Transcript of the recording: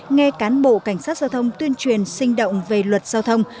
nghe cán bộ cảnh sát giao thông tuyên truyền sinh động về luật giao thông